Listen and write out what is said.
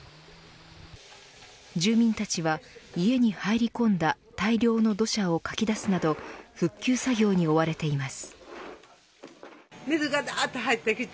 住民たちは家に入り込んだ大量の土砂をかき出すなど復旧作業に追われています。